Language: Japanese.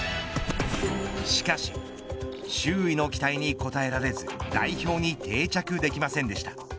しかし周囲の期待に応えられず代表に定着できませんでした。